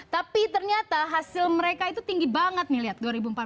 tapi ternyata hasil mereka itu tinggi banget nih lihat dua ribu empat belas